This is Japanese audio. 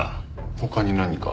他に何が。